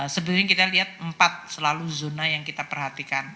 sebenarnya kita lihat empat selalu zona yang kita perhatikan